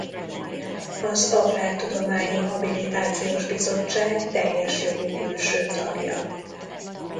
Az Agrártudományi Habilitációs Bizottság teljes jogú külső tagja.